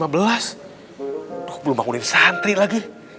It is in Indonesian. belum bangunin santri lagi